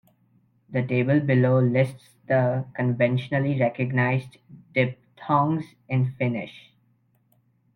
The table below lists the conventionally recognized diphthongs in Finnish.